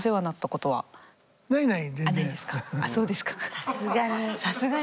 さすがに。